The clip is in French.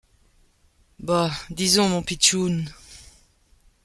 Bah, disons mon pitchoun !